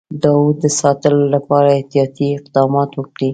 د اَوَد د ساتلو لپاره احتیاطي اقدامات وکړي.